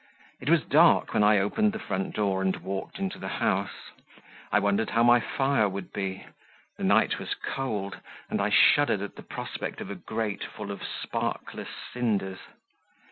It was dark when I opened the front door and walked into the house. I wondered how my fire would be; the night was cold, and I shuddered at the prospect of a grate full of sparkless cinders.